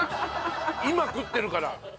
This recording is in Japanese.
今食ってるから。